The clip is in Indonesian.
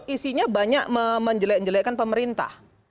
isinya banyak menjelek jelekkan pemerintah